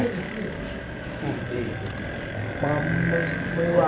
โอเคไม่ว่างเลยนะ